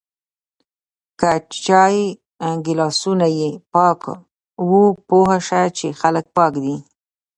که چای ګلاسونه یی پاک و پوهه شه چی خلک پاک دی